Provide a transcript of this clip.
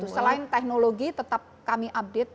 selain teknologi tetap kami update